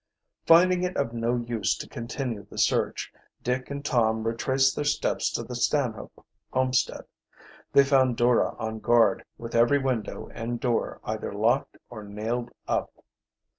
Finding it of no use to continue the search, Dick and Tom retraced their steps to the Stanhope homestead. They found Dora on guard, with every window and door either locked or nailed up.